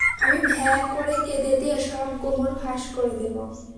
আমি ভ্যাঁ করে কেঁদে দিয়ে সব গোমর ফাঁস করে দেবো?